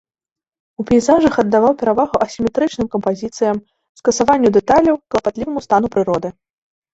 У пейзажах аддаваў перавагу асіметрычным кампазіцыям, скасаванню дэталяў, клапатліваму стану прыроды.